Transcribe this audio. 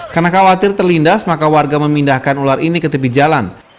karena khawatir terlindas maka warga memindahkan ular ini ke tepi jalan